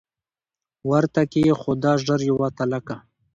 ورته کښې یې ښوده ژر یوه تلکه